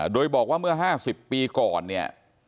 โดยบอกว่าเมื่อ๕๐ปีก่อนเนี่ย